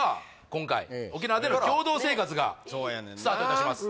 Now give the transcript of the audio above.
今回沖縄での共同生活がそうやねんなスタートいたします